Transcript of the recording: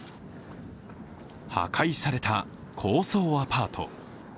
破壊された高層アパート。